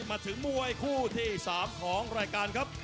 มาถึงมวยคู่ที่๓ของรายการครับ